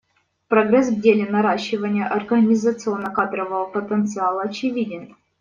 Прогресс в деле наращивания организационно-кадрового потенциала очевиден.